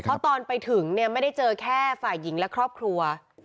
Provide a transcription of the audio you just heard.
เพราะตอนไปถึงเนี่ยไม่ได้เจอแค่ฝ่ายหญิงและครอบครัว